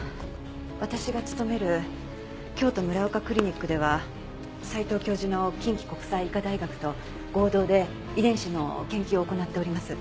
私が勤める京都ＭＵＲＡＯＫＡクリニックでは斎藤教授の近畿国際医科大学と合同で遺伝子の研究を行っております。